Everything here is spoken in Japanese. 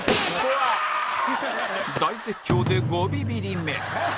大絶叫で５ビビリ目